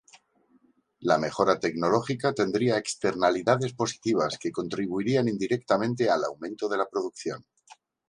La mejora tecnológica tendría externalidades positivas que contribuirían indirectamente al aumento de la producción.